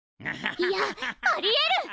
いやありえる！